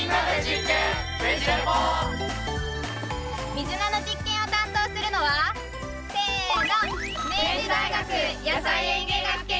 ミズナの実験を担当するのはせの！